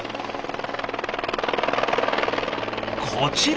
こちら！